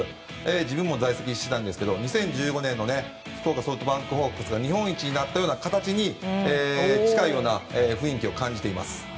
自分も在籍していたんですけど２０１５年の福岡ソフトバンクホークスが日本一になったような形に近い雰囲気を感じています。